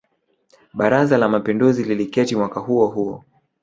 Baraza la Mapinduzi liliketi mwaka huo huo